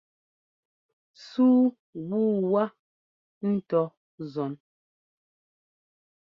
Súu wu wá ŋ́tɔ zɔ́n.